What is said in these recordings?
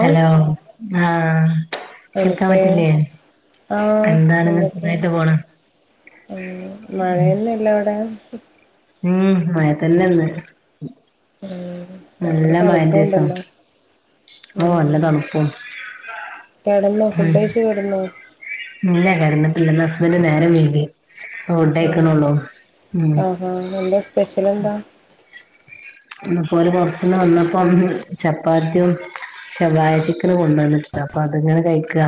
Hello ആഹ് കേൾക്കാൻ എനിക്ക് പറ്റില്ലേ. എന്താണ് സുഖായിട്ട് പോണാ. ഏഹ് മഴയൊന്നുല്ലെ അവിടെ? ഉം മഴ തന്നെ ന്ന്. ഉം ഭയങ്കര മഴന്റെസം തണുപ്പൂണ്ടല്ലോ ഓ നല്ല ഉം തണുപ്പും കെടന്നോ ഉം ഫുഡഴിച്ച് കിടന്നോ? ഇല്ല കെടന്നിട്ടില്ല. ഇന്ന് ഹസ്ബന്റ് നേരം വൈകി. ഫുഡ് ആഹ് കഴിക്കണൊള്ളൂ ഉം ആഹാ എന്താ സ്പെഷ്യൽ എന്താ? ഇന്ന്പ്പോല് പൊർത്ത്ന്ന് വന്നപ്പം ചപ്പാത്ത്യും ശവായ ചിക്കനും കൊണ്ട്‌ വന്നിട്ടിണ്ട്. അപ്പൊ അത്ങ്ങനെ കഴിക്കാ.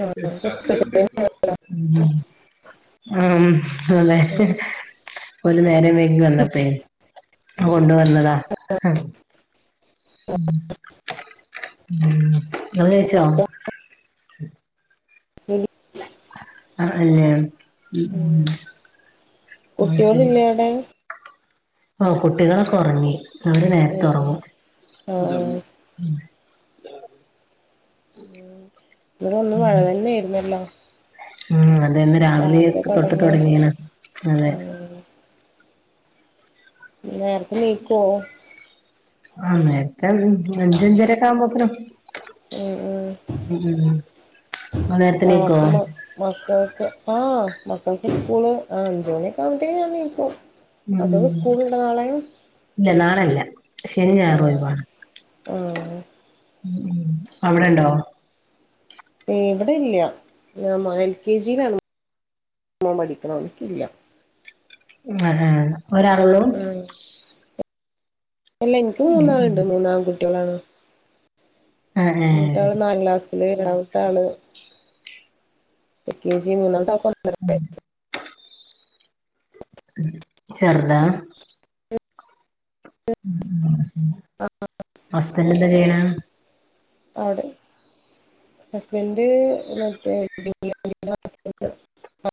ആ, സ്പെഷ്യൽ ആഹ് അതെ ഉം, ഓല് നേരം വെയ്കി വന്നപ്പേ കൊണ്ടുവന്നതാ. ഹാ ഉം ഇങ്ങൾ കഴിച്ചോ? [unintelligible] ആഹ് അല്ലെ ഉം ഉം അത് കുട്ട്യോൾ ശരി ഇല്ലെ അവിടെ? ഓഹ് കുട്ടികളൊക്കെ ഒറങ്ങി അവര് നേരത്തെ ഏഹ് ഒറങ്ങും. [inaudible] ആഹ് ഇതൊന്ന് മഴ തന്നേയിരുന്നല്ലോ ഉം അതെന്ന രാവിലെ തൊട്ട് തുടങ്ങിയ തുടങ്ങിയാണ് അതെ ഉം നേരത്തെ എണീക്കോ ആഹ് നേരത്തെ അഞ്ചഞ്ചരക്കെ ആമ്പോത്തേനും മ് മ് മ് ആഹ് അപ്പ മക്കൾക്ക് ആഹ് മക്കൾക്ക് സ്കൂള് ആഹ് അഞ്ച് മണിയൊക്കെ ആവുമ്പോത്തേക്ക് ഞാൻ എണീക്കും ഉം അപ്പൊ സ്കൂൾ ഇണ്ട നാളെം ഇല്ല നാളെല്ല ശനി ഞായറും ആഹ് ആഹ് മ് അവിടെണ്ടോ ഏഹ് ഇവിടെല്ല എൽ കെ ജിയിലാണ് മോന് പടിക്കണ് എനിക്കില്ല അതാ ഒരാളുളളൂ ആഹ് അല്ല എനിക്ക് ഉം മൂന്നാളുണ്ട് മൂന്നാൺ കുട്ടികളാണ് ആഹ് ആഹ് മൂത്താള് ശരി നാല് ക്ലാസ്സില് രണ്ടാമത്താള് എൽകെജി ഉ ചെറുതാ മ് മ് ഹസ്ബന്റ് എന്താ ചെയ്യണേ അവിടെ ഹസ്ബന്റ് മറ്റേ [inaudible]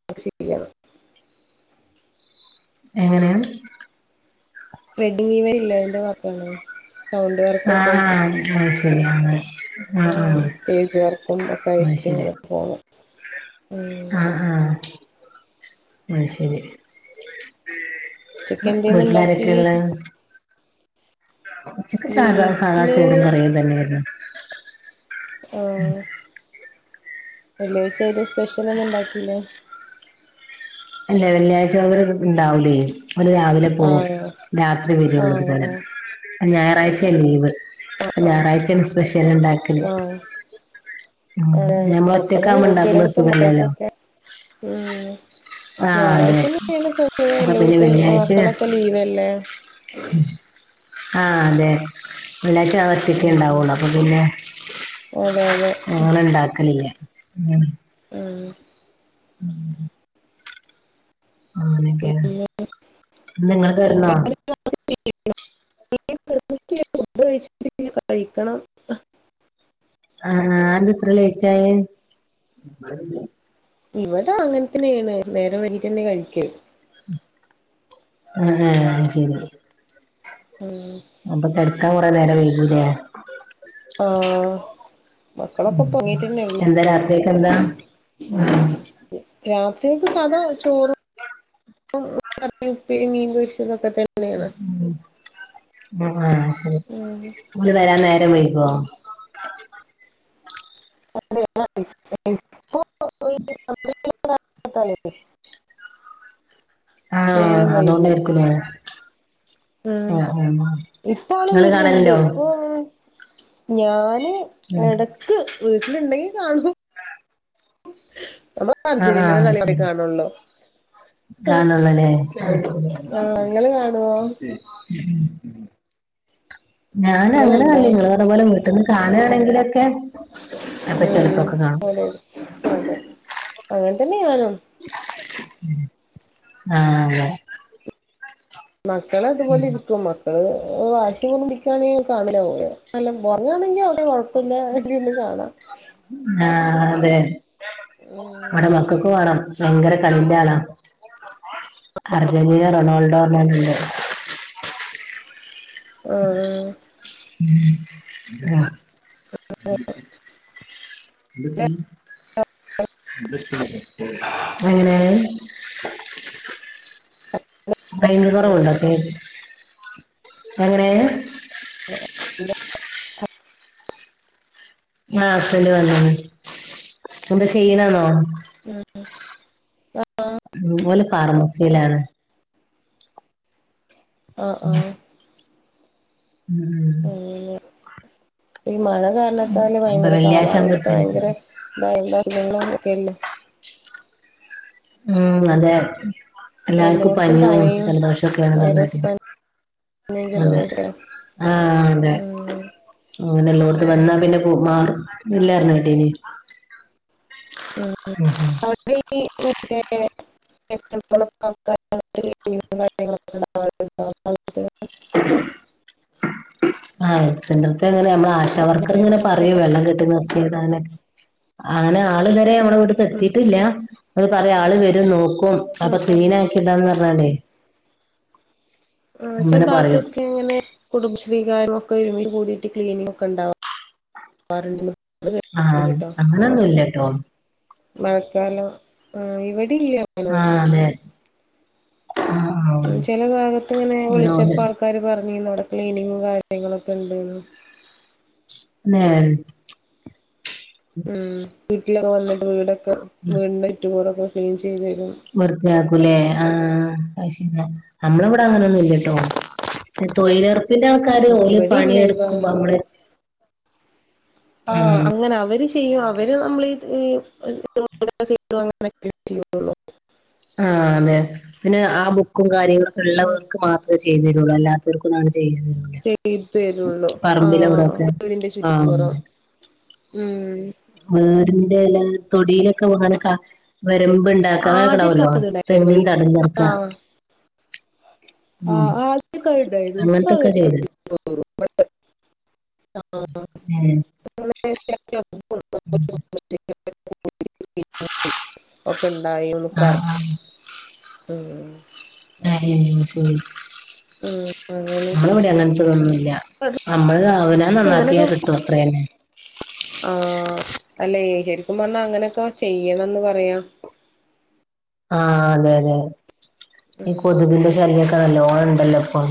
വർക്ക് ചെയ്യാണ്. എങ്ങനെയാണ് വെഡിങ്ങ് ഇവനില്ലേ അതിന്റെ വർക്കണ് ആഹ് ആഹ് അത് ശരിയാണ് സ്റ്റേജ് വർക്കും ഒക്കെ ആയിട്ട് ശരി ഇങ്ങനെ പോണ് ഉം ആഹ് ആഹ് അത് ശെരി ഉച്ചക്ക് എന്തേന്നു ഉണ്ടാക്കി വീട്ടിലാരൊക്കെയാ ഇള്ളെ ഉച്ചക്ക് സാധാ സാധാ വീട്ടില് ചോറും കറിയും തന്നേയിരുന്നു ആഹ് വെള്ളിയാഴച അയില് സ്പെഷ്യലൊന്നും ഇണ്ടാക്കില്ലേ അല്ല വെള്ളിയാഴ്ച്ച അവര് ഇണ്ടാവൂലേ അവര് രാവിലെ ഓഹ് ആഹ് രാത്രി വരുള്ളുന്ന് ആഹ് പറഞ്ഞു ഞായറാഴ്ച്ചയാ ലീവ് ഞായറാഴ്ച്ചാണ് സ്പെഷ്യല് ഇണ്ടാക്കല് ആഹ് മ് ആഹ് അപ്പഴേ ഞമ്മളൊറ്റക്കാവുമ്പ ഇണ്ടാക്കുമ്പോ എല്ലോടത്തും സുഖല്ലല്ലോ മക്കൾക്കൊക്കെ ഉം ആഹ് അതെ ഞായറാഴ്ച്ചന്നെ [unintelligible] അപ്പൊ പിന്നെ എല്ലോട്തേം വെള്ളിയാഴ്ച മക്കളൊക്കെ ലീവല്ലേ ആഹ് അതെ വെള്ളിയാഴ്ച്ച ഞാനൊറ്റെക്കെ ഉം ഇണ്ടാവുള്ളു അപ്പപിന്നെ അതെ അതെ ഇങ്ങള്ണ്ടാക്കലില്ലേ ഉം ആഹ് മ് ആന്നിക്കെ നിങ്ങള് കെടന്ന [inaudible] ഫുഡ് കഴിച്ചിട്ടില്ല കഴിക്കണം ആഹ് അതന്തെ ഇത്ര ലേറ്റായേ മ് ഇവിട അങ്ങനെ തന്നേണ് നേരം വൈകീട്ട്ന്നെ കഴിക്കൂ ആഹ് ശെരി മ് അപ്പൊ കെടക്കാൻ കുറേ നേരം വൈകൂലേ ആഹ് മക്കളൊക്കെ ഇപ്പൊ ഒറങ്ങീട്ടന്നെ ഉള്ളൂ എന്താ രാത്രിക്കക്കെന്താ മ് രാത്രിക്കക് സാധാചോറും കറി ഉപ്പേ മീൻപൊരിച്ചതൊക്കെതന്നെ. നെയാണ്. ആ... ശരി ഉം അത് വരാൻ നേരം വൈകോ... ആഹ [inaudible] തലെ ആ... നേരം വൈകും അതോണ്ടായിരിക്കുലേ... ഉം ഇപ്പോള് നിങ്ങള് വീട്ടില്ണ്ട് കാണലുണ്ടോ ഇപ്പൊ.. ഞാന് ഉം എടക്ക് വീട്ടിലുണ്ടെങ്കി കാണും നമ്മളൊക്കെ അർജന്റീനന്റെ കളിയെ കാണൊള്ളു. കാണൊള്ളുലേ... ആഹ് ഇങ്ങള് കാണുവോ ഇങ്ങള് ഞാന്അങ്ങനെ കണ്ടോ കാണലില്ല ങ്ങള് പറഞ്ഞ പോലെ വീട്ട്ന്ന് കാണാണെങ്കിലൊക്കെ ക്കെ ഉം ഇപ്പൊചെലപ്പൊക്കെ കാണും അതെ അതെ അങ്ങനെതന്നെയാഞാനും ആലെ.. അതെ മക്കളത്പോലിരിക്കും മ വാശിറുമ്പികാണേയ് കാണലില്ല ഒറങ്ങാണെങ്കിവല്യകൊഴ പ്പല്ലാതിര്ന്ന് കാണാ..... ആ... തെ ഉം അവ്ടെ മക്കൾക്കുംകാണാം ഭയങ്കര കളിന്റാളാ.... അർജന്റീന റൊണാൾഡോറ്ഞാല്ണ്ട് അ ആ.... [inaudible] [inaudible] ആഹ ഇന്നത്തി. [inaudible] അങ്ങനെ [inaudible] എങ്ങനെ? ആഹ.. അപ്പല് വന്നണ് എന്ത ചെയ്യണന്നോ? മ്മ്മ് ഉം ഓല് ഫാർമസീലാണ്. ആഹ ആഹ ഉംമ് അങ്ങനെ ഈ മഴ കാരണത്താല് ഭയങ്കര വെള്ളിയാഴ്ച ആവുമ്പോ കാലാവസ്ഥ ഭയങ്കര തിരക്കണം [unintelligible] ഒക്കെല്ലേ ആ അതേ എല്ലാർക്കും പനിയും ജലദോഷോക്കെയണെന്ന് വൈറസ് പറഞ്ഞിട്ട് പനിയും അതെ ജലദോഷം ആഹ അതെ ഉം അങ്ങനെ എല്ലോടൊത്തും വന്നാ പിന്നെ മാറും ഇല്ലാരുന്ന് കേട്ടീന് ഉം മ്മ് മ്മ് [unintelligible] ആ സെൻ്ററത്തെ അതുതന്നെ നമ്മള് ആശ വർക്കറിങ്ങനെ പ വെള്ളം കിട്ടന്ന തീർന്നരന്നെ ആന്നെ ആളിതുവരെ നമ്മടെ വീട്ടിത്തെത്തിട്ടുവില്ല അത് പറയാ ആള് വരും നോക്കും അപ്പ ക്ലീനാക്കിയിടാന്ന് പറഞ്ഞാണ്ടേ ആ ചെ അങ്ങനെ പറയും ഭാഗത്തൊക്കെങ്ങനെ കുടുംബശ്രീകാര് നോക്കുവായിരുന്നു [unintelligible] ക്ലീനിങക്കെ ഇണ്ടാവാറുണ്ടെന്ന് ആ അങ്ങനൊന്നുയില്ലട്ടോ മഴക്കാലം ആ ഇവിടെയില്ല ആഹ അതെ ആ ആ ചെല ഭാഗത്തിങ്ങനെ അങ്ങനെ ഓല് വിളിച്ചപ്പ ആൾക്കാര് പറഞ്ഞിന്നവിടെ ക്ലീനിങ്ങും കാര്യങ്ങളൊക്കെ ഇണ്ടെന്ന് ന്നെ മ്മ് വീട്ടിലൊക്കെ വന്നിട്ട് വീടൊക്കെ വീടിന് ചുറ്റുപോലൊക്കെ ക്ലീൻ ചെയ്തു തരും വൃത്തിയാക്കൂലെ ആ നമ്മളിവിടെങ്ങനൊന്നുയില്ലട്ടോ തൊഴിലുറപ്പിന്റെ ആൾക്കാര് ഓല് ഇവിടെ ഇല്ല ഈ ഭാഗം പണിയെടുക്കുമ്പോ നമ്മള് ആ ഉം അങ്ങനെ അവര് ചെയ്യും അവര് നമ്മളീ ഈ [unintelligible] ചെയ്യത്തൊള്ളു ആ അതെ പിന്നെ ആ ബുക്കും ഉം കാര്യങ്ങളൊക്കെയൊള്ളവർക്ക് മാത്രേ ചെയ്തു തരുവൊള്ളൂ അല്ലാതെ ചെയ്തു തരുള്ളൂ [unintelligible] ആഹ് പറമ്പിലവിടൊക്കെ ആ മ്ഹ് വീടിന്റെയില് തൊടിയിലൊക്കെ വന വരമ്പു ആദ്യൊക്കെ അതുണ്ടായിരുന്നു ഈ തറക്ക ആഹ് ആ ഉം ആദ്യൊക്കെയുണ്ടായിരുന്നു ഇപ്പങ്ങനെ അങ്ങനത്തൊക്കെ ചെയ്തു [unintelligible] [unintelligible] മ്ഹ് [unintelligible] ഒക്കെയിണ്ടായോന്നു പറ ആഹ് ആഹ് ആഹ് [unintelligible] ഉം അങ്ങനെ നമ്മളിവിടെ അങ്ങനത്തേതൊന്നുമില്ല നമ്മള് അവനോൻ നന്നാക്കിയാ കി ട്ടും അത്രതന്നെ ആ അല്ല ഏ ശരിക്കും പറഞ്ഞാ അങ്ങനെയൊക്കെ ചെയ്യണോന്ന് പറയാ ആ അതെ അതെ ഈ ഉം കൊതുകിന്റെ ശല്യൊക്കെ നല്ലോണം ഒണ്ടല്ലോ ഇപ്പൊ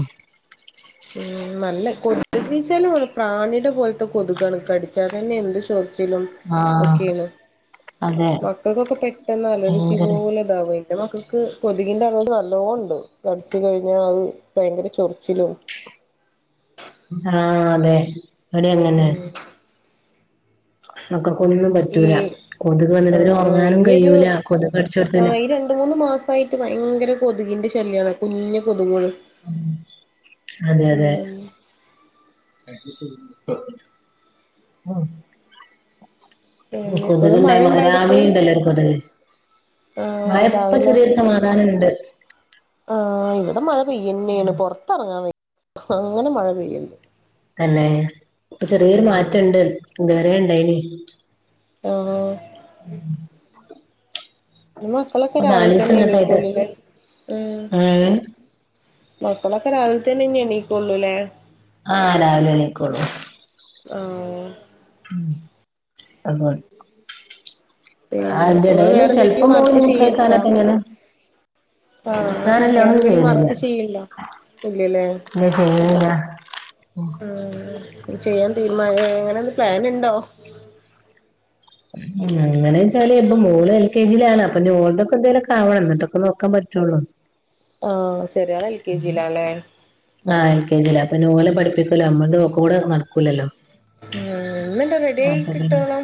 മ്ഹ് നല്ല കൊതുകുശല്യാണ് പ്രാണിയുടെ പോലത്തെ കൊതുകാണ് കടിച്ചാ പിന്നെ എന്ത് ചെ ചൊറിച്ചിലും ആഹ് ഒക്കെയാണ് അതെ മക്കക്കൊക്കെ പെട്ടെന്ന് അലർജി ഭയങ്കര പോലെ എൻ്റെ മക്കക്ക് കൊതുകിന്റെ കടി നല്ലോണുണ്ട് കടിച്ച് കഴിഞ്ഞാ ഭയങ്കര ചൊറിച്ചിലും ആഹ് അതെ ഇവിടേം അങ്ങനെ ഉം [inaudible] മക്കക്കൊന്നും ഈ പറ്റൂല കൊതുക് വന്ന് കഴിഞ്ഞ ആഹ് ഒറങ്ങാനും ഈയൊരു കഴിയൂല കൊതുക് കടിച്ചടുത്തു പിന്നെ ആഹ് ഈ രണ്ട് മൂന്ന് മാസ വായിട്ട് ഭയങ്കര കൊതുകിന്റെ ശല്യാണ് കുഞ്ഞ് കൊതുകുകള് മ്ഹ് അതെ അതെ ഉം മ്ഹ് പിന്നെ ഇപ്പഴും മഴ കൊതുകുണ്ടായിരുന്നു ഇണ്ടോ അവിട്ക്ക് രാവിലെയുണ്ടല്ലോ ഒരു കൊതുക് ആഹ് വായിപ്പൊ രാവിലെ ചെറിയൊരു സമാധാനൊണ്ട് ആഹ് ഇവിടെ മഴ പെയ്യന്നാണ് പൊറത്തിറങ്ങാൻ വയ്യ അങ്ങനെ മഴ പെയ്യണ്ട് തന്നെ ഇപ്പൊ ചെറിയൊരു ഉം മാറ്റം ഉണ്ട് ഇത് വരെയുണ്ടായിനി ആഹ് നിങ്ങളിപ്പോളൊക്കെ ഇപ്പൊ രാവിലെ നാല് ദിവസം തന്നെ ഇങ്ങട്ടായിട്ട് എണിക്കൂലല്ലോ ഉംഹ് ഏഹ് മക്കളൊക്കെ രാവിലത്തേനെ ഇനി എണീക്കുള്ളുവല്ലേ ആഹ് രാവിലെ എണീക്കൊള്ളു ആഹ് മ്ഹ് വന്നു വന്ന് പിന്നെ അയിന്റെ നിങ്ങള് ഇടേല് ചെലപ്പൊ വേറെന്തെങ്കിലും മോന് വർക്ക് ചെയ്യണ്ടോ മൂത്രമൊഴിക്കാനൊക്കെ എങ്ങനാ ആഹ് വേറെന്തേലും ചെയ്യണില്ല വർക്ക് ചെയ്യൺണ്ടോ ഇല്ല ചെയ്യുന്നില്ല ആഹ് ചെയ്യാൻ തീരുമാ എങ്ങനെയാണ് പ്ലാനുണ്ടോ ഉംഹ് അങ്ങനെ ചോയിച്ചാല് എന്റെ മോള് എൽ കെ ജിയിലാണ് അപ്പൊ [unintelligible] എന്തേലുവൊക്കെയാവണം എന്നിട്ടൊക്കെ നോ ക്കാൻ പറ്റുവൊള്ളൂ ആ ചെറിയാള് എൽ കെ ജിയിലാല്ലേ ആഹ് എൽ കെ ജിയിലാ അപ്പൊ ഓലെ പഠിപ്പിക്കല് അമ്മടെ കൂടെ നടക്കൂലല്ലോ ഉംഹ് ഇന്നെന്താ റെഡി ആയി അപ്പൊ പിന്നെ കിട്ടോളം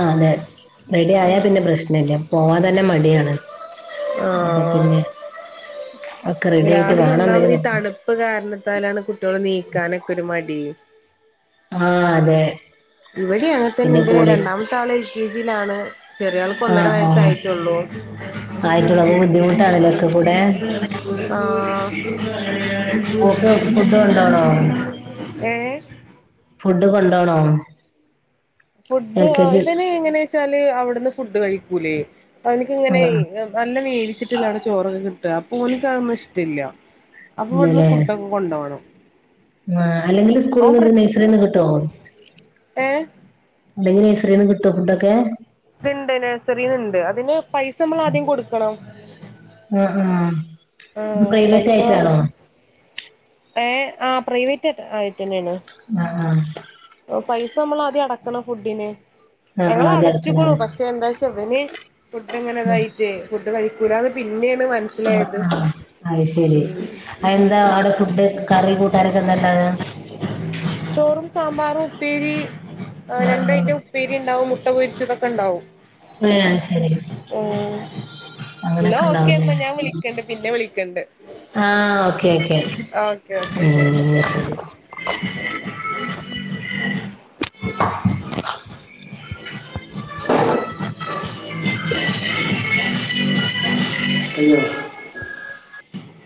ആഹ് അതെ റെഡി ആയാ പിന്നെ ഉം പ്രശ്നം ഇല്ല പോവാൻ തന്നെ മടിയാണ് അപ്പൊ ആഹ് പിന്നെ ഒക്കെ റെഡി ആയിട്ട് രാവിലെ കാണാൻ ഒന്നാമത് ഈ തണുപ്പ് കാരണത്താലാണ് കുട്ടികളെ നീക്കാനൊക്കെ ഒരു മടി ആ അതെ ഇവിടെ പിന്നെ അങ്ങനത്തെന്റെ കൂടെ രണ്ടാമത്തെ ആള് എൽ കെ ജി ലാണ് ചെറിയ ആൾക്ക് ഒന്നര ആഹ് ആഹ് വയസായിട്ടള്ളൂ. ആയിട്ടുള്ള ബുദ്ധിമുട്ടാണല്ലോ ഒക്കെ കൂടെ ആഹ് ഓക്ക് ഫുഡ് കൊണ്ടോണോ ഏ? ഫുഡ് കൊണ്ടോണോ? ഫുഡ് എൽ കെ ജി ഇവന് എങ്ങനെ വെച്ചാല് അവിടുന്ന് ഫുഡ് കഴിക്കൂലേ അവനക്കിങ്ങനെ ഈ ആഹ് നല്ല [unintelligible] ണ് ചോറൊക്കെ കിട്ടുക, അപ്പൊ ഓൻക്കതൊന്നും ഇഷ്ടല്ല അപ്പൊ ഇവിടുന്ന് ഫുഡക്കെ കൊണ്ടോണം ആ അല്ലെങ്കില് സ്കൂളിൽ ഓൻ പ്ര നിന്ന് നഴ്സറിന്ന് കിട്ടുവോ? ഏഹ് അല്ലെങ്കി നേസറിന്ന് കിട്ടോ ഫുഡൊക്കെ? ഇണ്ട് നഴ്സറിന്നുണ്ട് അതിന് പൈസ നമ്മൾ ആദ്യം കൊടുക്കണം. ആഹ്, ആഹ് ഇത് ആഹ് പ്രൈവറ്റ് ആയിട്ടാണോ? ഏഹ്, ആ പ്രൈവറ്റ് ആയിട്ടെന്നാണ് അ ആഹ് പൈസ നമ്മൾ ആദ്യം അടക്കണം ഫുഡിന്. ആഹ് ഞങ്ങൾ ആഹ് അതെ അടച്ചുകണ്, അടുത്തന്നല്ലേ പക്ഷെ എന്താച്ച അവന് ഫുഡ്‌ ഉം ഇങ്ങനെതായിട്ട് ഫുഡ് കഴിക്കൂലാന്ന് പിന്നെയാണ് മന അയ്ശരി, എന്താ അവിടെ ഫുഡ് കറി കൂട്ടാനൊക്കെ എന്താണ്ടക? സാമ്പാർ, ഉപ്പേരി ആഹ് രണ്ടായിറ്റം ഉപ്പേരി ഉണ്ടാവും മുട്ട പൊരിച്ചതൊക്കെ ഉണ്ടാവും. ഏഹ്, ശരി എന്ന അങ്ങനെയൊക്കെ ഓക്കെ ഉണ്ടാവുംല്ലേ എന്നാ ഞാൻ വിളിക്കണ്ട് പിന്നെ വിളിക്കണ്ട് ആഹ് ഓക്കെ ഓക്കെ ഓക്കെ, ഓക്കെ ഉം ശരി. ശരി ! !! ! ഉ ഉ ഹലോ?